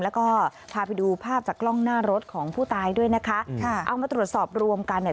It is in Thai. แล้วก็พาไปดูภาพจากกล้องหน้ารถของผู้ตายด้วยนะคะค่ะเอามาตรวจสอบรวมกันเนี่ย